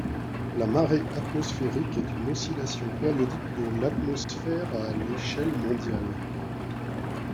La marée atmosphérique est une oscillation périodique de l'atmosphère à l'échelle mondiale.